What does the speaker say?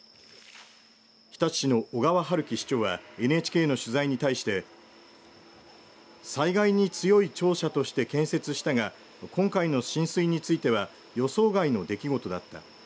日立市の小川春樹市長はＮＨＫの取材に対して災害に強い庁舎として建設したが今回の浸水については予想外の出来事だった。